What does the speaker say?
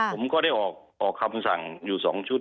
ผมก็ได้ออกคำสั่งอยู่๒ชุด